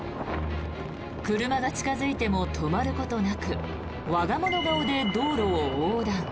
車が近付いても止まることなく我が物顔で道路を横断。